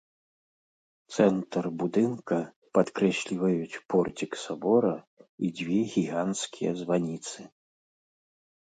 Цэнтр будынка падкрэсліваюць порцік сабора і дзве гіганцкія званіцы.